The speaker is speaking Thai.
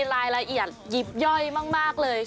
รายละเอียดหยิบย่อยมากเลย